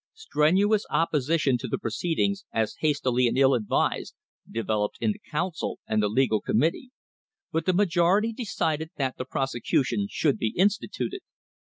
Strenuous opposition to the proceedings, as hasty and ill advised, developed in the Council and the Legal THE CRISIS OF 1878 Committee, but the majority decided that the prosecution should be instituted.